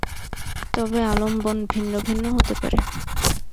তবে আলম্বন ভিন্ন ভিন্ন হতে পারে।